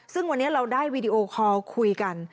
ซึ่งวันนี้เราได้วีดีโอคอลคุยกัน